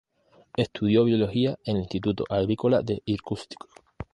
Estudió biología en el Instituto Agrícola de Irkutsk.